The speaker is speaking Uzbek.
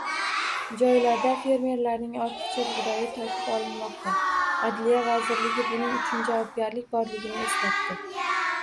Joylarda fermerlarning ortiqcha bug‘doyi tortib olinmoqda. Adliya vazirligi buning uchun javobgarlik borligini eslatdi